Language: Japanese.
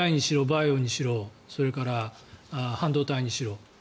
バイオにしろそれから半導体にしろ。